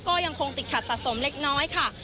ก็ยังคงติดขัดสะสมเล็กน้อยค่ะ